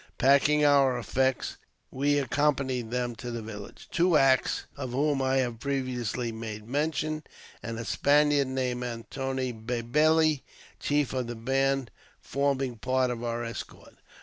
Packing our effects, we accompanied them to their village. Two Axe, of whom I have previously made mention, and a Spaniard named Antoine Behele, chief of the band, forming part of our escort.